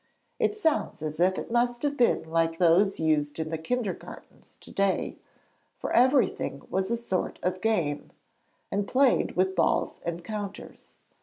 It sounds as if it must have been like those used in the kindergartens to day, for everything was a sort of game, and played with balls and counters.